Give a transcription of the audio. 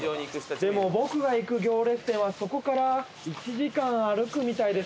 でも僕が行く行列店はそこから１時間歩くみたいですね。